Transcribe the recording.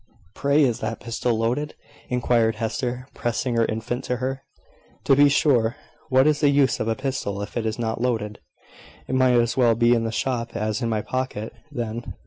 "Pray, is that pistol loaded?" inquired Hester, pressing her infant to her. "To be sure. What is the use of a pistol if it is not loaded? It might as well be in the shop as in my pocket, then.